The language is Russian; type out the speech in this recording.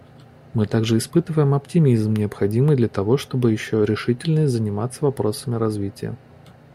Мы также испытываем оптимизм, необходимый для того, чтобы еще решительнее заниматься вопросами развития.